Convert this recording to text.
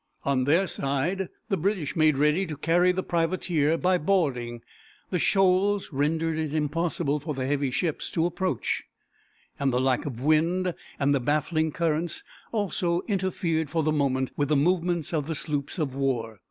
On their side the British made ready to carry the privateer by boarding. The shoals rendered it impossible for the heavy ships to approach, and the lack of wind and the baffling currents also interfered for the moment with the movements of the sloops of war.